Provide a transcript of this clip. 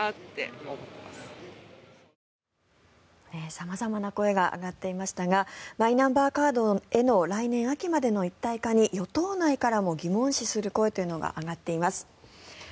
様々な声が上がっていましたがマイナンバーカードへの来年秋までの一体化に与党内からも疑問視する声というのが上がっています。